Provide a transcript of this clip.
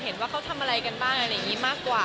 เห็นว่าเขาทำอะไรกันบ้างอะไรอย่างนี้มากกว่า